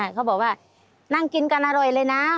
เขาบอกว่านั่งกินกันอร่อยเลยนะ